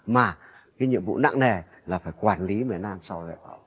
mà cái nhiệm vụ nặng nề là phải quản lý việt nam sau đó